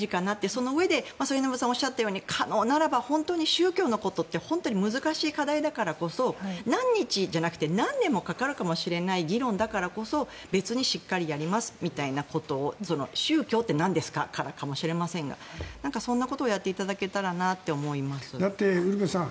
そのうえで末延さんがおっしゃったように可能ならば宗教のことって本当に難しい課題だからこそ何日じゃなくて何年もかかるかもしれない議論だからこそ別にしっかりやりますみたいなことを宗教ってなんですかからかもしれませんがそんなことをやっていただけたらなとだって、ウルヴェさん